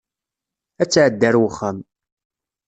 Ad tɛeddi ar wexxam.